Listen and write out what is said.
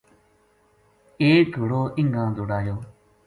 ایک گھوڑو اِنگاں دوڑایو